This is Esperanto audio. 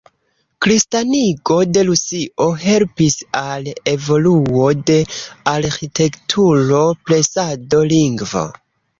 Kristanigo de Rusio helpis al evoluo de arĥitekturo, presado, lingvo.